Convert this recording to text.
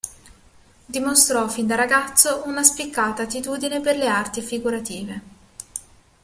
Dimostrò fin da ragazzo una spiccata attitudine per le arti figurative.